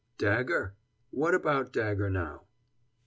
"Dagger! What about dagger now?"